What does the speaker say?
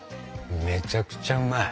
めちゃくちゃうまい！